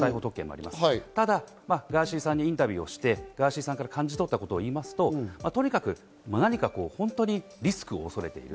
ただ、ガーシーさんにインタビューをして、ガーシーさんから感じ取ったことを言いますと、とにかく何か、リスクを恐れている。